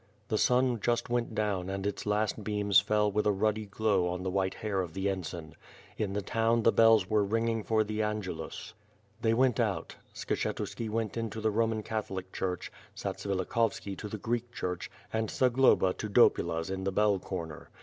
The sun just went down and its last beams fell with a ruddy glow on the white hair of the ensign. In the town, the bells were ringing for the Angelus. They went out. Skshetuski went into the Roman Catholic church; Zatsvilikhovski to the Greek church, and Zagloba to Dopula's in the Bell corner.